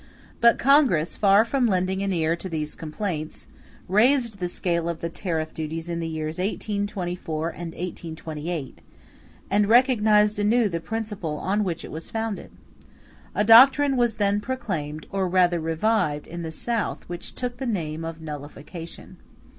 But Congress, far from lending an ear to these complaints, raised the scale of tariff duties in the years 1824 and 1828, and recognized anew the principle on which it was founded. A doctrine was then proclaimed, or rather revived, in the South, which took the name of Nullification.